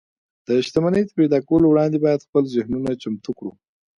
د شتمنۍ تر پيدا کولو وړاندې بايد خپل ذهنونه چمتو کړو.